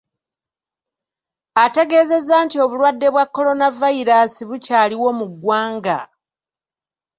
Ategeezeza nti obulwadde bwa Kolonavayiraasi bukyaliwo mu ggwanga.